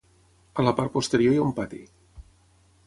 A la part posterior hi ha un pati.